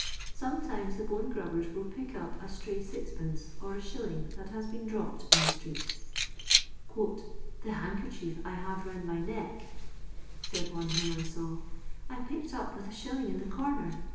Sometimes the bone grubbers will pick up a stray sixpence or a shilling that has been dropped in the street. " The handkerchief I have round my neck," said one whom I saw, " I picked up with Is. in the corner.